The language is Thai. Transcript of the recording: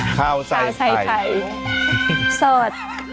ข้าวใส่ไข่สด